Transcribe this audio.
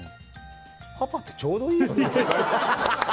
パパってちょうどいいよねって。